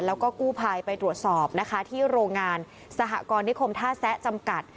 แล้วก็กู้ภัยไปตรวจสอบนะคะที่โรงงานสหกรณิคมท่าแซะจำกัด